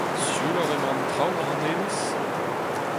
siouloc'h emañ an traoù war an enez ?